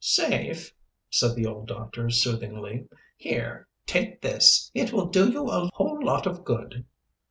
"Safe," said the old doctor soothingly. "Here, take this. It will do you a whole lot of good."